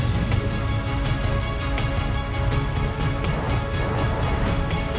โปรดติดตามตอนต่อไป